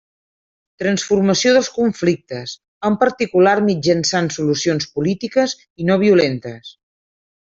Transformació dels conflictes, en particular mitjançant solucions polítiques i no violentes.